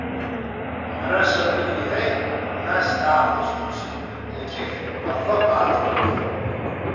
Мараса абригь лҳәеит, нас даахәыц-хәыцын, лқьышә ахәаԥ ааҭлыргеит.